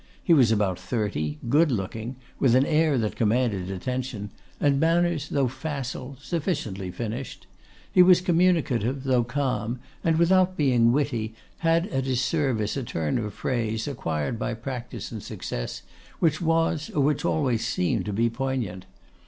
He was about thirty, good looking, with an air that commanded attention, and manners, though facile, sufficiently finished. He was communicative, though calm, and without being witty, had at his service a turn of phrase, acquired by practice and success, which was, or which always seemed to be, poignant.